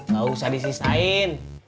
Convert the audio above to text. gak usah disisain